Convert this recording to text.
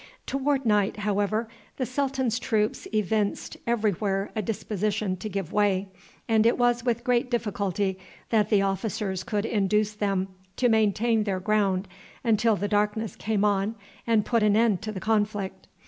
Toward night, however, the sultan's troops evinced every where a disposition to give way, and it was with great difficulty that the officers could induce them to maintain their ground until the darkness came on and put an end to the conflict.